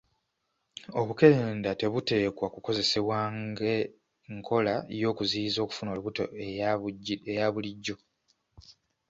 Obukerenda tebuteekwa kukozesebwa ng'e nkola y'okuziyiza okufuna olubuto eyaabulijjo.